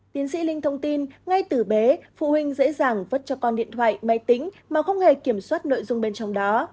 tiến sĩ linh thông tin ngay từ bé phụ huynh dễ dàng vứt cho con điện thoại máy tính mà không hề kiểm soát nội dung bên trong đó